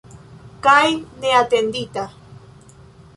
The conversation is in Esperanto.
Kaj neatendita.